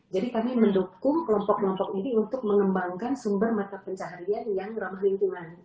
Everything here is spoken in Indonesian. jadi kami mendukung kelompok kelompok ini untuk mengembangkan sumber mata pencaharian yang ramah lingkungan